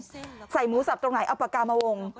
เอาปากกามาวงใส่หมูสับตรงไหนเอาปากกามาวง